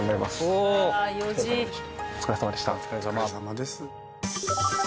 お疲れさまでした。